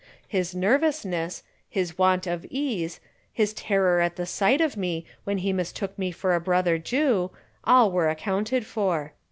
His nervousness, his want of ease, his terror at the sight of me, whom he mistook for a brother Jew, were all accounted for.